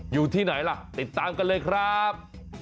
อยู่ที่ไหนล่ะติดตามกันเลยครับ